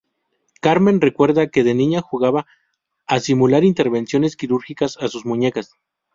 Carmen recuerda que de niña jugaba a simular intervenciones quirúrgicas a sus muñecas.